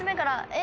え。